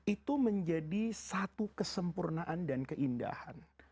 itu menjadi satu kesempurnaan dan keindahan